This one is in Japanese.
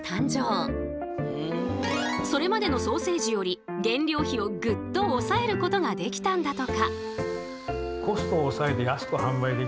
それまでのソーセージより原料費をぐっと抑えることができたんだとか。